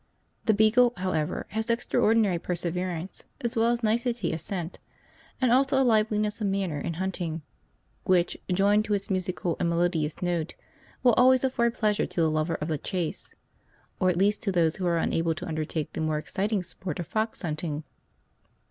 The beagle, however, has extraordinary perseverance, as well as nicety of scent, and also a liveliness of manner in hunting, which, joined to its musical and melodious note, will always afford pleasure to the lovers of the chase, or at least to those who are unable to undertake the more exciting sport of fox hunting.